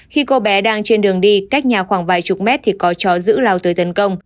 khi cô bé đang trên đường đi cách nhà khoảng vài chục mét thì có chó giữ lao tới tấn công